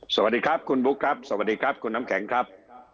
สวัสดีครับคุณบุ๊คครับสวัสดีครับคุณน้ำแข็งครับ